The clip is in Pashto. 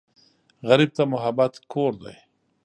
غریب ته محبت کور دی